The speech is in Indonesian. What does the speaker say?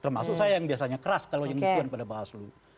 termasuk saya yang biasanya keras kalau yang dukungan pada bawaslu